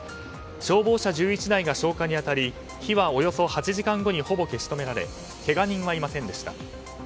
消防車１１台が消火に当たり火はおよそ８時間後にほぼ消し止められけが人はいませんでした。